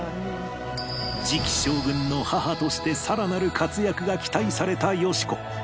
次期将軍の母としてさらなる活躍が期待されたよし子